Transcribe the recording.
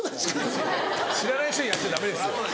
知らない人にやっちゃダメですよ。